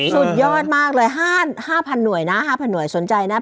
สุดยอดมากเลย๕๐๐หน่วยนะ๕๐๐หน่วยสนใจนะ